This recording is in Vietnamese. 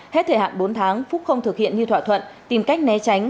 hết thời hạn bốn tháng phúc không thực hiện như thỏa thuận tìm cách né tránh